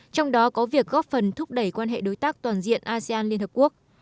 trong đó có việc góp phần thúc đẩy quan hệ đối tác toàn diện asean liên hợp quốc